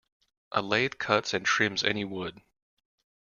A lathe cuts and trims any wood.